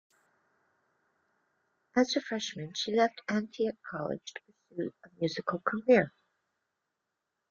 As a freshman, she left Antioch College to pursue a musical career.